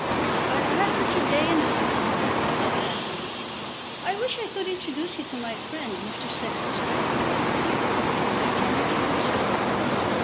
"I've had such a day in the city," he said, laughing. "I wish I could introduce you to my friend, Mr. Sextus Parker." "Cannot you do so?"